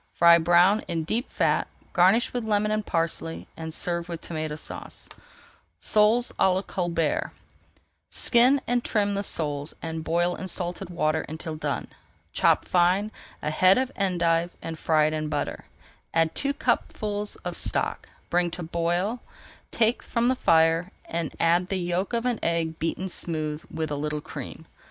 Fry brown in deep fat, garnish with lemon and parsley, and serve with Tomato Sauce. [Page 385] SOLES À LA COLBERT Skin and trim the soles and boil in salted water until done. Chop fine a head of endive and fry it in butter. Add two cupfuls of stock, bring to the boil, take from the fire, and add the yolk of an egg beaten smooth with a little cream.